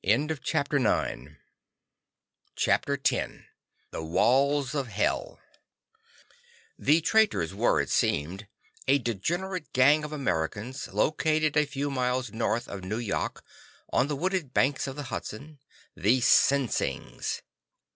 CHAPTER X The Walls of Hell The traitors were, it seemed, a degenerate gang of Americans, located a few miles north of Nu yok on the wooded banks of the Hudson, the Sinsings.